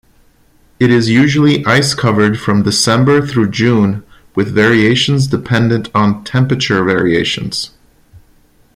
It is usually ice-covered from December through June, with variations dependent on temperature variations.